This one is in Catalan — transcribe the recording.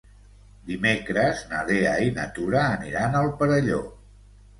Dimecres na Lea i na Tura aniran al Perelló.